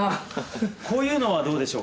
こういうのはどうでしょうか？